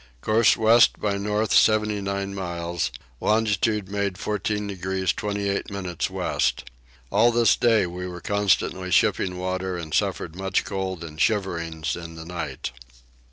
Course west by north 79 miles; longitude made 14 degrees 28 minutes west. All this day we were constantly shipping water and suffered much cold and shiverings in the night.